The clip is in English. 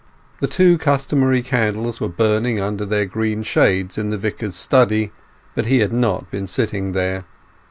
The two customary candles were burning under their green shades in the Vicar's study, but he had not been sitting there.